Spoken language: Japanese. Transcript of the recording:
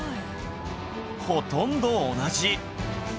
ほとんど同じ